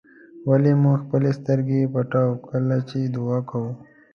ولې موږ خپلې سترګې پټوو کله چې دعا کوو.